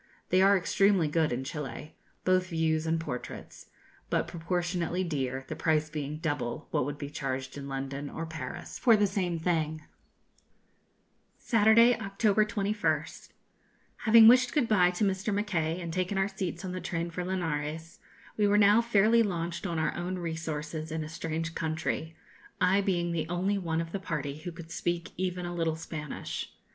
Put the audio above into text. They are extremely good in Chili both views and portraits but proportionately dear, the price being double what would be charged in London or Paris for the same thing. [Illustration: Waiting for the Train, Chili.] Saturday, October 21st. Having wished good bye to Mr. Mackay, and taken our seats in the train for Linares, we were now fairly launched on our own resources in a strange country, I being the only one of the party who could speak even a little Spanish.